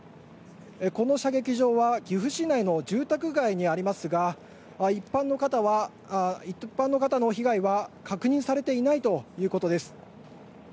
この射撃場は岐阜市内の住宅街にありますが一般の方の被害は確認されていないということです。